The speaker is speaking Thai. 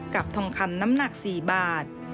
ทองคำน้ำหนัก๔บาท